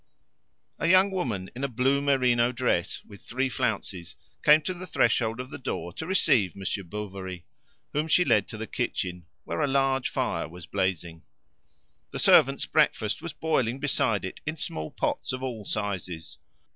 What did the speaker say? A young woman in a blue merino dress with three flounces came to the threshold of the door to receive Monsieur Bovary, whom she led to the kitchen, where a large fire was blazing. The servant's breakfast was boiling beside it in small pots of all sizes.